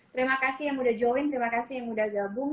terima kasih yang udah join terima kasih yang udah gabung